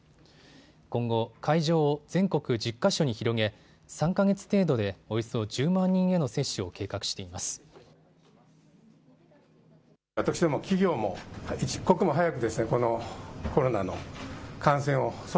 今後、会場を全国１０か所に広げ３か月程度でおよそ１０万人への接種を計画しています。